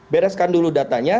bereskan dulu datanya